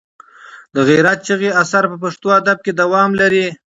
د غیرت چغې اثر په پښتو ادب کې دوام لري.